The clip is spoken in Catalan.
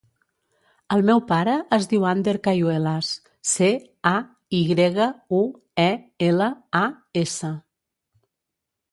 El meu pare es diu Ander Cayuelas: ce, a, i grega, u, e, ela, a, essa.